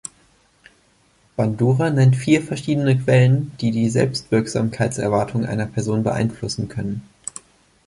Bandura nennt vier verschiedene Quellen, die die Selbstwirksamkeitserwartung einer Person beeinflussen können.